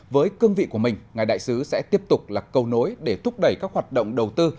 với cương vị của mình ngài đại sứ sẽ tiếp tục là cầu nối để thúc đẩy các hoạt động đầu tư